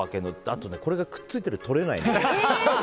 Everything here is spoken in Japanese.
あと、これがくっついててとれないの。